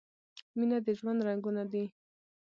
مینه د ژوند رنګونه دي.